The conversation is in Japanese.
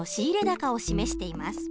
高を示しています。